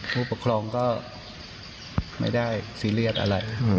ผู้ปกครองก็ไม่ได้ซีเรียสอะไร